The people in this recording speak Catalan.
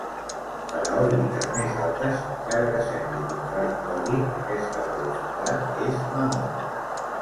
Per a òrbites més altes, encara que sembli contradictori, aquesta velocitat és menor.